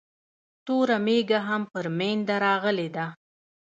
توره مېږه هم پر مينده راغلې ده